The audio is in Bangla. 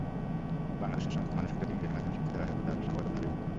বাংলাদেশের সমস্ত মানুষকে যদি ইংরেজি মাধ্যমে শিক্ষা দেওয়া যেত, তাহলে সম্ভবত ভালোই হতো।